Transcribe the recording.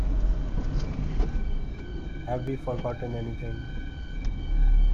Have we forgotten anything?